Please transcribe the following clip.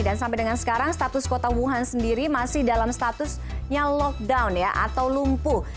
dan sampai dengan sekarang status kota wuhan sendiri masih dalam statusnya lockdown atau lumpuh